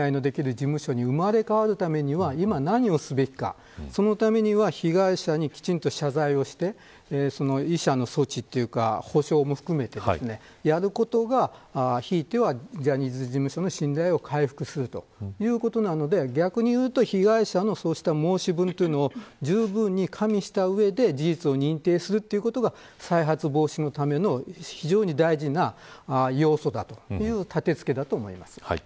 信頼のできる事務所に生まれ変わるために今、何をすべきかそのためには被害者にきちんと謝罪をして補償も含めてやることがひいてはジャニーズ事務所の信頼を回復するということなので逆に言うと被害者の申し分というのをじゅうぶんに加味した上で事実を認定するということが再発防止のための非常に大事な要素だとたてつけだと思います。